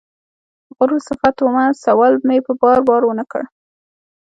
غرور صفته ومه سوال مې په بار، بار ونه کړ